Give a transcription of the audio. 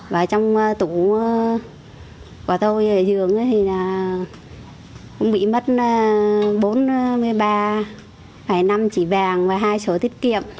và trong tủ của tôi ở giường thì cũng bị mất bốn mươi ba năm chỉ vàng và hai sổ tiết kiệm